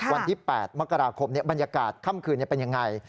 วันที่๘มกราคมนี้บรรยากาศค่ำคืนนี้เป็นอย่างไร